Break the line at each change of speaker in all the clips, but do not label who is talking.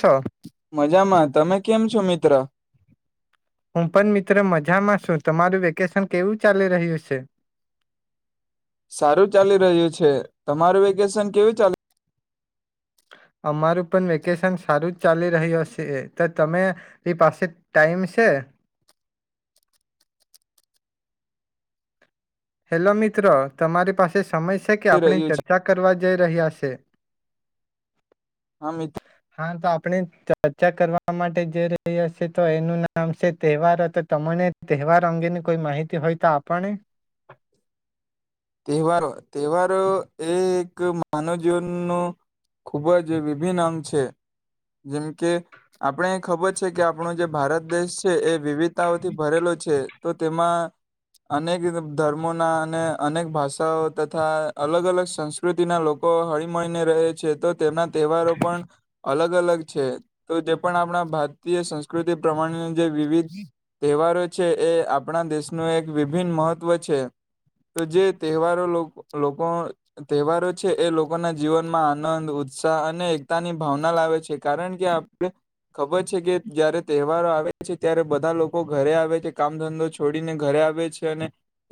છો
મજા માં તમે કેમ છો મિત્ર
હું પણ મિત્ર મજામાં છું. તમારું વેકેશન કેવું ચાલી રહ્યું છે?
સારું ચાલી રહ્યું છે. તમારું વેકેશન કેવુ ચાલે?
અમારું પણ વેકેશન સારું જ ચાલી રહ્યું છે તો તમારી પાસે ટાઈમ સે? હેલો મિત્રો તમારી પાસે સ સમય સે કે આપણે
રહ્યું છે
ચર્ચા કરવા જઈ રહ્યા છે.
હા મિત
હા તો આપણે ચર્ચા કરવા માટે જય રહયા છે તો એનું નામ છે તહેવાર હતો તમને તહેવાર અંગેની કોઈ માહિતી હોય તો આપણે
તહેવારો તહેવારો એ એક માનવ જીવનનું ખૂબ જ વિભિન્ન અંગ છે જેમ કે આપણે ખબર છે કે આપણો જે ભારત દેશ છે એ વિવિધ તાઓ થી ભરેલો છે. તો તેમાં અનેક ધર્મોના અને અનેક ભાષાઓ તથા અલગ અલગ સંસ્કૃતિના લોકો હળીમળીને રહે છે તો તેમાં તહેવારો પણ અલગ અલગ છે તો જે પણ આપણા ભારતીય સંસ્કૃતિ પ્રમાણે જે વિવિધ તહેવારો છે. એ આપણા દેશનું એક વિભિન્ન મહત્ત્વ છે. તો જે તહેવારો લોકો તહેવારો છે. એ લોકોના જીવનમાં આનંદ ઉત્સાહ અને એકતાની ભાવના લાવે છે કારણ કે આપણે ખબર છે કે જય્યારે તહેવારો આવે છે ત્યારે બધા લોકો ઘરે આવે છે. કામ ધંધો છોડીને ઘરે આવે છે અને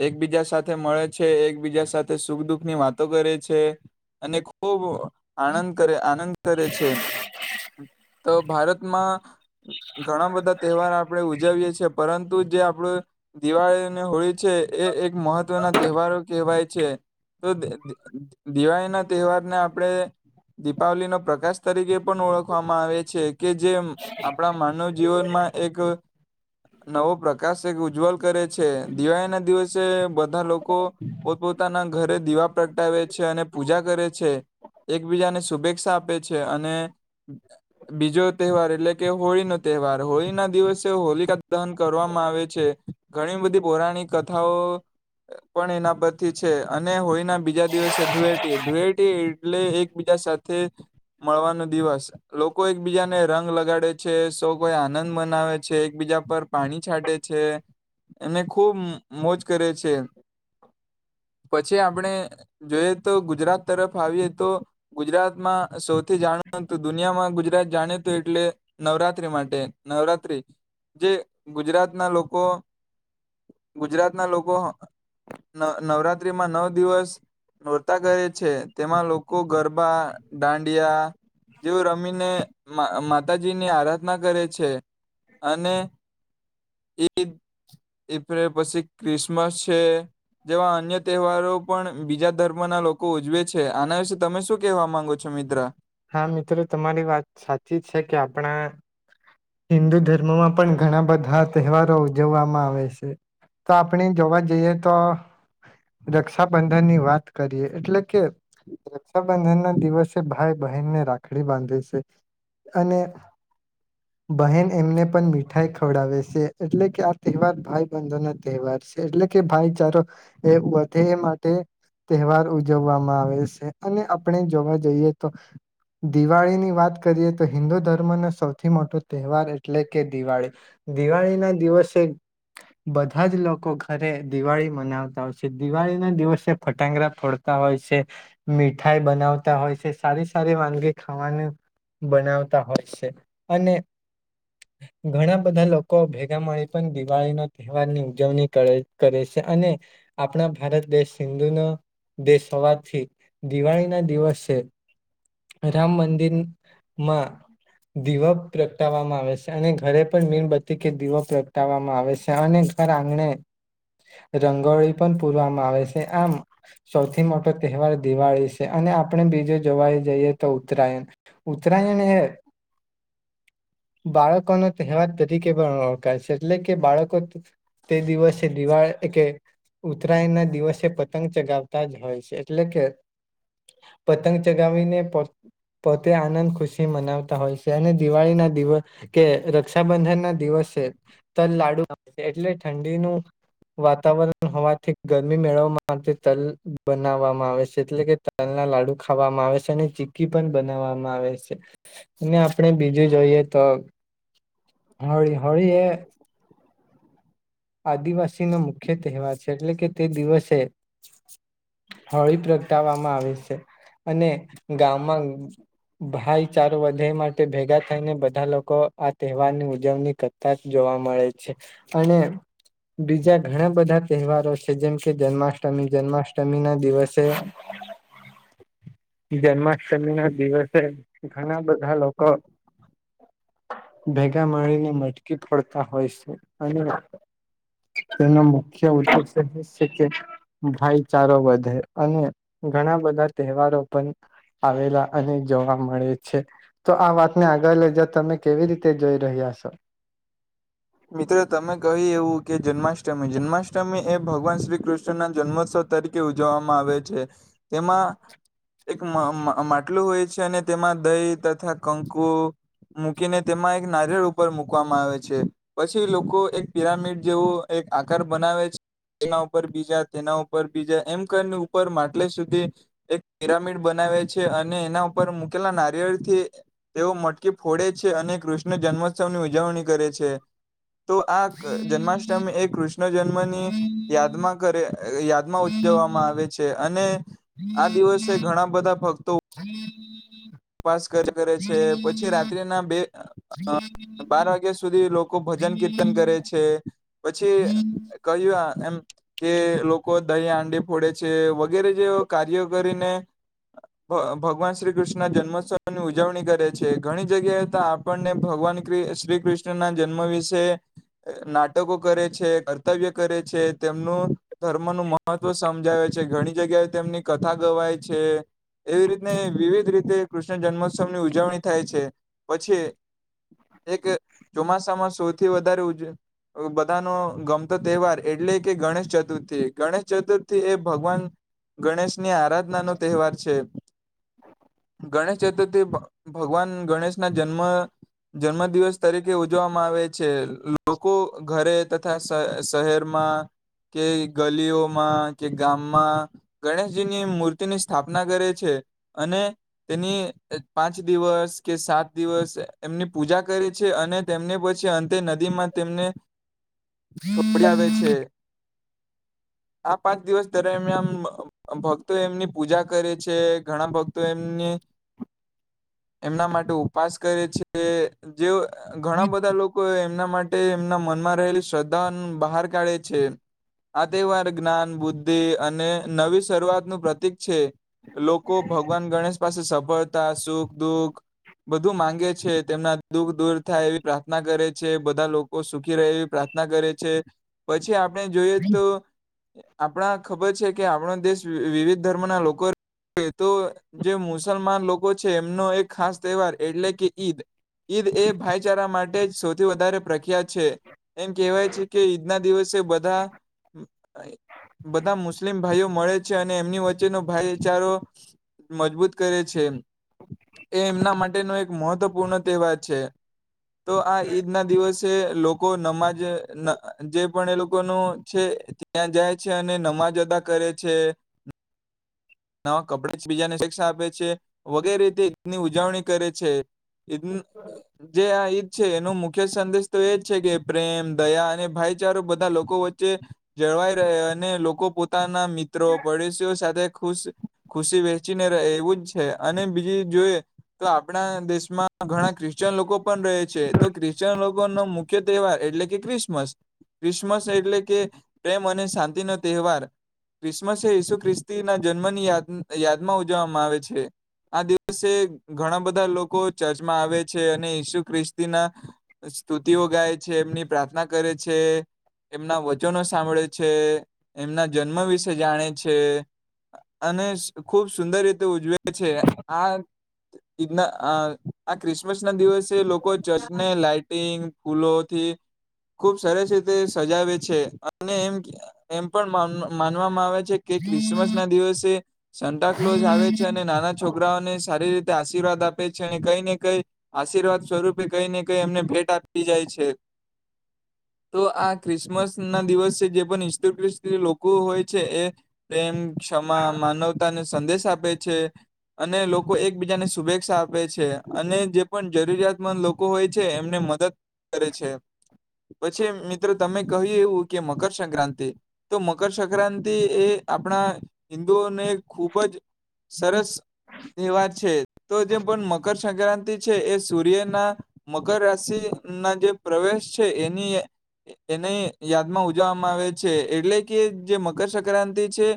એકબીજા સાથે મળે છે એકબીજા સાથે સુખ દુઃખની વાતો કરે છે અને ખૂબ આનંદ કરે આનંદ કરે છે. તો ભારતમાં ઘણા બધા તહેવાર આપણે ઉજવીએ છેીએ પરંતુ જે આપણું દિવાળી અને હોળી છે એ એક મહત્ ત્વ ના તહેવારો કહેવાય છે તો દિવાળી ના તહેવારને આપણે દીપાવલી ન પ્રકાશ તરીકે પણ ઓળખવામાં આવે છે કે જે આપણા માનવ જીવનમાં એક નવો પ્રકાશ એક ઉજ્જવલ કરે છે દિવાળી ના દિવસે બધા લોકો પોતપોતાના ઘરે દીવા પ્રગટાવે છે અને પૂજા કરે છે એકબીજાને શુભેચ્છા આપે છે અને બીજો તહેવાર એટલે કે હોળી નો તહેવાર હોળી ના દિવસે હોલિકા દહન કરવામાં આવે છે ઘણી બધી પૌરાણિક કથાઓ પણ એના પરથી છે અને હોળીના બીજા દિવસે ધુયેટી ધુયેટી એટલે એકબીજા સાથે મળવાનો દિવસ લોકો એકબીજાને રંગ લગાડે છે સૌ કોઈ આનંદ મનાવે છે એકબીજા પર પાણી છાંટે છે અને ખુબ મોજ કરે છ છે પછી આપણે જોઈએ તો ગુજરાત તરફ આવીએ તો ગુજરાતમાં સૌથી જાણ દુનિયામાં ગુજરાત જાણીતું એટલે નવરાતિ માટે નવરાત્રી જે ગુજરાતના લોકો ગુજરાતના લોકો નવ નવરાત્રીમાં નવ દિવસ નોરતા કરે છે તેમાં લોકો ગરબા દાંડિયા જેવું રમીને માતાજીની આરાધના કરે છે. અને ઈદ એઇપ્રિલ પછી ક્રિસમસ છે જેવા અન્ય તહેવારો પણ બીજા ધર્મ ના લોકો ઉજવે છે આના વિશે તમે શું કેહેવા માંગો છો મિત્ર
હા મિત્રો તમારી વાત સાચી છે કે આપણા હિન્દુ ધર્મમાં પણ ઘણા બધા તહેવારો ઉજવવામાં આવે છે તો આપણે જોવા જઈએ તો રક્ષાબંધનની વાત કરીએ એટલે કે રક્ષાબંધન ના દિવસે ભાઈ બનને રાખડી બાંધે છે અને બહેન એમને પણ મીઠાઈ ખવડાવે છે એટલે કે આ તહેવાર ભાઈ બંધો ના તહેવાર છે એટલે કે ભાઈચારો એ વધે એ માટે તહેવાર ઉજવવામાં આવે છે અને આપણે જોવા જઈએ તો દિવાળીની વાત કરીએ તો હિન્દુ ધર્મનો સૌથી મોટો તહેવાર એટલે કે દિવાળી દિવાળી ના દિવસે બધા જ લોકો ઘરે દિવાળી મનાવતા હોય છે દિવાળી ના દિવસે ફટાંગડા ફોડતા હોય છે મીઠાઈ બનાવતા હોય છે. સારી સારી વાનગી ખાવાનું બનાવતા હોય છે અને ઘણા બધા લોકો ભેગા મળી પણ દિવાળીનો તહેવારની ઉજવણી કરે કરે છે અને આપણા ભારત દેશ હિંદુનો દેશ હોવાથી દિવાળી ના દિવસે રામ મંદિરમાં દીવો પ્રગટાવવામાં આવે છે અને ઘરે પણ મીણબત્તી કે દીવો પ્રગટાવવામાં આવે છે અને ઘર આંગણે રંગોળી પણ પૂરવામાં આવે છે આમ સૌથી મોટો તહેવાર દિવાળી છે અને આપણે બીજું જોવાઈ જઈએ તો ઉત્તરાયણ ઉત્તરાયણ એ બાળકોનો તહેવાર તરીકે પણ ઓળખાય છે એટલે કે બાળકો તે દિવસે દિવાળ કે ઉત્તરાયણ ના દિવસે પતંગ ચગાવતા જ હોય છે એટલે કે પતંગ ચગાવીને પો પોતે આનંદ ખુશી મનાવતા હોય છે અને દિવાળી ના દિવ કે રક્ષાબંધન ના દિવસે તલ લાડુ આવે છે એટલે ઠંડીનું વાતાવરણ હોવાથી ગરમી મેળવવા માટે તલ બનાવવામાં આવે છે એટલે કે તલ ના લાડુ ખાવામાં આવે છે અને ચીકી પણ બનાવવામાં આવે છે અને આપણે બીજું જોઈએ તો હોળી હોળી એ આદિવાસીનો મુખ્ય તહેવાર છે એટલે કે તે દિવસે હોળી પ્રગટાવવામાં આવે છે અને ગામમાં ભાઈચારો વધે માટે ભેગા થઈને બધા લોકો આ તહેવારની ઉજવણી કરતા જ જોવા મળે છે અને બીજા ઘણા બધા તહેવારો છે જેમ કે જન્માષ્ટમી જન્માષ્ટમી ના દિવસે જન્માષ્ટમી ના દિવસે ઘણા બધા લોકો ભેગા મળીને મટકી ફડતા હોય છે અને તેનો મુખ્ય ઉદ્દેશ એ છે કે ભાઈચારો વધે અને ઘણા બધા તહેવારો પણ આવેલા અને જોવા મળે છે તો આ વાતને આગળ લઈ જ તમે કેવી રીતે જોઈ રહ્યા છો?
મિત્રો તમે કહી એવું કે જન્માષ્ટમી જન્માષ્ટમી એ ભગવાન શ્રી કૃષ્ણના જન્મોત્સવ તરીકે ઉજવવામાં આવે છે તેમાં એક માટલું હોય છે અને તેમાં દહી તથા કંકુ મૂકીને તેમાં એક નારિયળ ઉપર મૂકવામાં આવે છે. પછી લોકો એક પિરામિડ જેવું એક આકાર બનાવે છ તેના ઉપર બીજા તેના ઉપર બીજા એમ કર ઉપર માટલે સુધી એક પિરામિડ બનાવે છે અને એના ઉપર મૂકેલા નારિયેળ થી તેઓ મટકી ફોડે છે અને કૃષ્ણ જન્મોત્સવની ઉજવણી કરે છે. તો આ જન્માષ્ટમી એ કૃષ્ણ જન્મની યાદમાં કરે યાદમાં ઉજવવામાં આવે છે અને આ દિવસે ઘણા બધા ભક્તો ઉપાસ કરે છે પછી રાત્રિના બે બાર વાગ્યા સુધી લોકો ભજન કીર્તન કરે છે. પછી કહ્યું આ એમ તે લોકો દહીં આંડી ફોડે છે વગેરે જે કાર્ય કરીને ભગવાન શ્રી કૃષ્ણ ના જન્મોત્સવની ઉજવણી કરે છે ઘણી જગ્યાએ આપણને ભગવાન શ્રી કૃષ્ણ ના જન્મ વિશે નાટકો કરે છે કર્તવ્ય કરે છે તેમનું ધર્મનુ મહત્વ સમજાવે છે ઘણી જગ્યાએ તેમની કથા ગવાય છે એવી રીતને વિવિધ રીતે તે કૃષ્ણ જન્મોત્સવની ઉજવણી થાય છે પછી એક ચોમાસામાં સૌથી વધારે ઉજ બધાનો ગમતો તહેવાર એટલે કે ગણેશ ચતુર્થી ગણેશ ચતુર્થી એ ભગવાન ગણેશ ની આરાધનાનો તહેવાર છે. ગણેશ ચતુર્થી ભગવાન ગણેશ ના જન્મ જન્મ દિવસ તરીકે ઉજવામાં આવે છે લોકો ઘરે તથા શહેરમાં કે ગલીઓમાં કે ગામમાં ગણેશજીની મૂર્તિની સ્થાપના કરે છે અને તેની પાંચ દિવસ કે સાત દિવસ એમની પૂજા કરે છે અને તેમને પછી અંતે નદીમાં તેમને છોડી આવે છે. આ પાંચ દિવસ દરમિયાન ભ ભક્તો એમની પૂજા કરે છે ઘણા ભક્તો એમ એમના માટે ઉપાસ કરે છે. જેઓ ઘણા બધા લોકો એમના માટે એમના મનમાં રહેલી શ્રદ્ધા બહાર કાઢે છે આ તહેવાર જ્ઞાન બુદ્ધિ અને નવી શરૂઆતનુંું પ્રતિક છે લોકો ભગવાન ગણેશ પાસે સફળતા સુખ દુખ બધું માંગે છે તેમના દુઃખ દૂર થાય એવી પ્રાર્થના કરે છે બધા લોકો સુખી રહે એવી પ્રાર્થના કરે છે પછી આપ આપણે જોઈએ તો આપણા ખબર છે કે આપણો દેશ વિવિધ ધર્મના લોકો તો જે મુસલમાન લોકો છે એમનો એક ખાસ તહેવાર એટલે કે ઈદ ઈદ એ ભાઈચારા માટે જ સૌથી વધારે પ્રખ્યાત છે એમ કહેવાય છે કે ઈદના દિવસે બધા બધા મુસ્લિમ ભાઈઓ મળે છે અને એમની વચ્ચેનો ભાઈચારો મજબૂત કરે છે એ એમના માટેનો એક મહત્વપૂર્ણ તહેવાર છે તો આ ઈદ ના દિવસે લોકો નમાજ જે પણ એ લોકોનું છે ત્યાં જાય છે અને નમાજ અદા કરે છે નવા કપડા બીજાને શિકક્ષા આપે છે વગેરેીતેની ઉજવણી કરે છે જે છે એનો મુખ્ય સંદેશ તો એ જ છે કે પ્રેમ દયા અને ભાઈચારો બધા લોકો વચ્ચે જળવાય રહે અને લોકો પોતે પોતા ના મિત્રો પડશઓ સાથે ખુશ ખુશી વહેચીને રહે એવું જ છે અને બીજી જોઈએ તો આપણા દેશમાં ઘણા ખ્રિશ્ચન લોકો પણ રહે છે તો ખ્રિશ્ચન લોકોનો મુખ્ય તહેવાર એટલે કે ક્રિસમસ ક્રિસમસ એટલે કે પ્રેમ અને શાંતિ નો તહેવાર ક્રિસમસ એ ઈસુ ખ્રિસ્તી ના જ યાદમાં ઉજવવામાં આવે છે આ દિવસે ઘણા બધા લોકો ચર્ચમાં આવે છે અને ઈસુ ખ્રિસ્તીના સ્તુતિઓ ગાય છે એમની પ્રાર્થના કરે છે એમના વચનો સાંભળે છે એમના જન્મ વિશે જાણે છે અને ખૂબ સુંદર રીતે ઉજવે છે આના આ ક્રિસમસ ના દિવસે લોકો ચર્ચને લાાઈટિંગ ફૂલોથી ખુબ સરસ રીતે સજાવે છે અને એમ એમ પણ મા માનવામાં આવે છે કે ક્રિસમસ ના દિવસ સ કલો આવે છે અને નાના છોકરાઓને સારી રીતે આશીર્વાદ આપે છે અને કઈ ને કઈ આશીર્વાદ સ્વરૂપે કઈ ને કઈ એમને ભેટ આપી જાય છે તો આ ક્રિસમસ ના દિવસે જે પણ ઈત લોકો હોય છે એ માનવતાની સંદેશ આપે છે અને લોકો એકબીજાને શુભેચ્છા આપે છે અને જે પણ જરૂરિયાતમંદ લોકો હોય છે એમને મદદ કરે છે પછી મિત્રો તમે કહ્યું એવું કે મકરસક્રાંતિ તો મકરસક્રાંતિ એ આપણા હિન્દુઓને ખૂબ જ સરસ તહેવાર છે તો જે પણ મકરસક્રાંતિ છે એ સૂર્યના મકર રાશિ ના જે પ્રવેશ છે એની એની યાદમાં ઉજવવામાં આવે છે એટલે કે જે મકરસક્રાંતિ છે